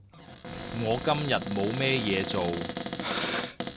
我今日冇咩嘢做